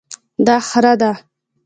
دا خره ده